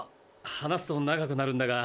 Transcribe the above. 話すと長くなるんだが。